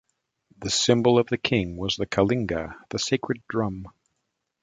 The symbol of the King was the Kalinga, the sacred drum.